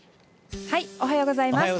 おはようございます。